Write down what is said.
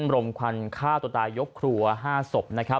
รมควันฆ่าตัวตายกคลัว๕ศพ